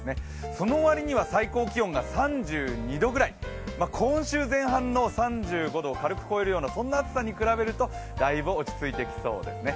その割には最高気温が３２度くらい、今週前半の３５度を軽く超えるような暑さに比べるとだいぶ落ち着いてきそうですね。